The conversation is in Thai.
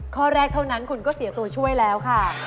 ข้อแรกเท่านั้นคุณก็เสียตัวช่วยแล้วค่ะ